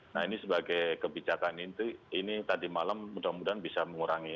nah ini sebagai kebijakan ini tadi malam mudah mudahan bisa mengurangi